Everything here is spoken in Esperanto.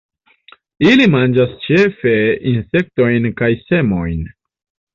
Ili manĝas ĉefe insektojn kaj semojn.